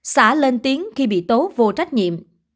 xã lên tiến khi bị tố vô trách nhiệm